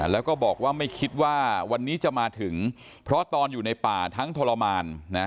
แล้วก็บอกว่าไม่คิดว่าวันนี้จะมาถึงเพราะตอนอยู่ในป่าทั้งทรมาน